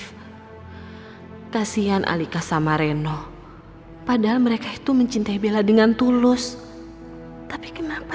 hai kasihan alika sama reno padahal mereka itu mencintai bella dengan tulus tapi kenapa